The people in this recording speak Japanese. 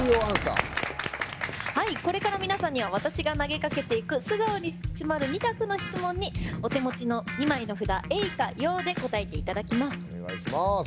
これから皆さんには私が投げかけていく素顔に迫る２択の質問にお手持ちの２枚の札「Ａｙ」か「Ｙｏ」で答えていただきます。